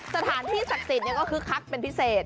สถานที่ศักดิ์สิทธิ์ก็คึกคักเป็นพิเศษ